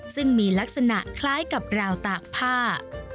ซึ่งมีลักษณะคล้ายกับราวตากผ้า